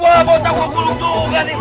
wah bocah gua bulung juga nih